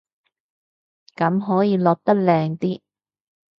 咁可以落得靚啲